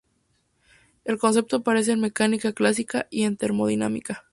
El concepto aparece en mecánica clásica y en termodinámica.